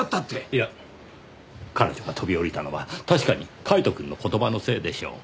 いや彼女が飛び降りたのは確かにカイトくんの言葉のせいでしょう。